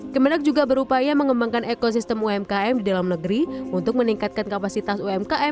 kemenak juga berupaya mengembangkan ekosistem umkm di dalam negeri untuk meningkatkan kapasitas umkm